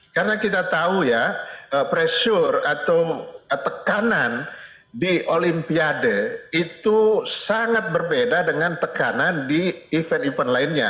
karena kita tahu ya pressure atau tekanan di olimpiade itu sangat berbeda dengan tekanan di event event lainnya